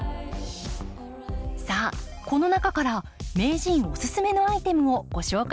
さあこの中から名人おすすめのアイテムをご紹介します。